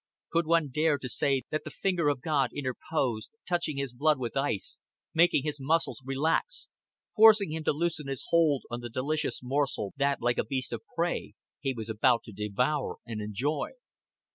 Could one dare to say that the finger of God interposed, touching his blood with ice, making his muscles relax, forcing him to loosen his hold on the delicious morsel that like a beast of prey he was about to devour and enjoy.